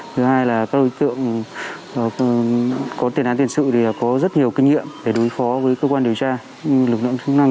thứ hai là các đối tượng có tiền án tiền sự thì có rất nhiều kinh nghiệm để đối phó với cơ quan điều tra cũng như lực lượng chức năng